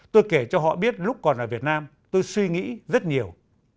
tôi kể cho họ biết lúc còn ở việt nam tôi suy nghĩ rất nhiều